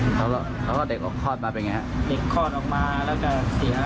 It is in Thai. เขาก็เด็กออกคลอดมาเป็นไงฮะเด็กคลอดออกมาแล้วก็เสีย